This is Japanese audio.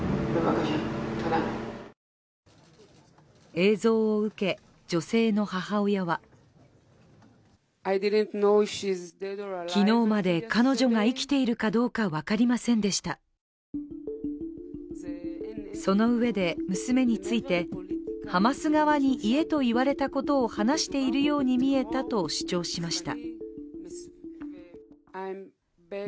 映像を受け、女性の母親はそのうえで娘についてハマス側に言えといわれたことを話しているように見えたと主張しました。